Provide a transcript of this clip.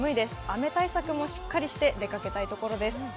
雨対策もしっかりして出かけたいところです。